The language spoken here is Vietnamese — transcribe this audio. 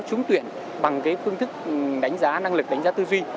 trúng tuyển bằng phương thức đánh giá năng lực đánh giá tư duy